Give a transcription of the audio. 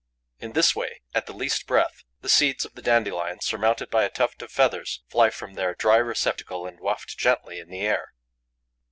In this way, at the least breath, the seeds of the dandelion, surmounted by a tuft of feathers, fly from their dry receptacle and waft gently in the air.